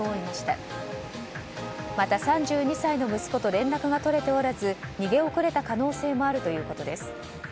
また、３２歳の息子と連絡が取れておらず逃げ遅れた可能性もあるということです。